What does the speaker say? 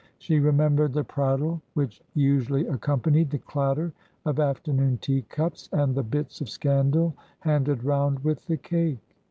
She remembered the prattle which usually accompanied the clatter of afternoon teacups, and the bits of scandal handed round with the cake.